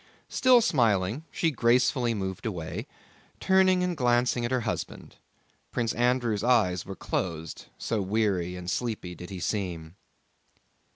Still smiling, she gracefully moved away, turning and glancing at her husband. Prince Andrew's eyes were closed, so weary and sleepy did he seem.